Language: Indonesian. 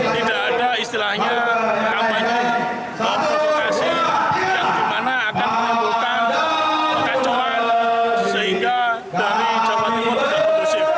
tidak ada istilahnya kampanye memprovokasi yang dimana akan menimbulkan kekacauan sehingga dari jawa timur tidak kondusif